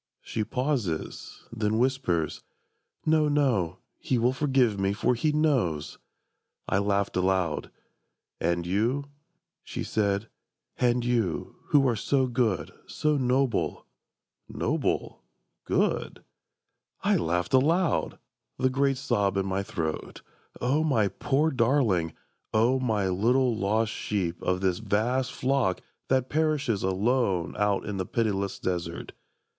She pauses: then whispers: "No, no, He will forgive me, for He knows!" I laughed aloud: "And you," she said, "and you, Who are so good, so noble" ... "Noble? Good?" I laughed aloud, the great sob in my throat. O my poor darling, O my little lost sheep Of this vast flock that perishes alone Out in the pitiless desert!